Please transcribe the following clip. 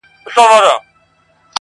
ایله پوه سو په خپل عقل غولیدلی -